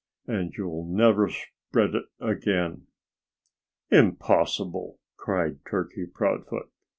And you'll never spread it again." "Impossible!" cried Turkey Proudfoot.